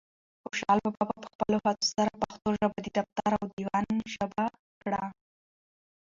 خوشحال بابا په خپلو هڅو سره پښتو ژبه د دفتر او دیوان ژبه کړه.